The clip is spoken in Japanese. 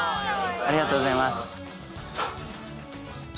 ありがとうございます。